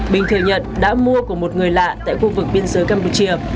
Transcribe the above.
bình thừa nhận đã mua của một người lạ tại khu vực biên giới campuchia